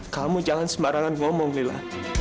kamu jangan sembarangan ngomong mila